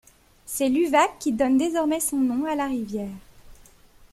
C'est l'Uvac qui donne désormais son nom à la rivière.